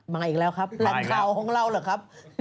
มาอีกแล้วครับลันเท่าของเราเหรอครับ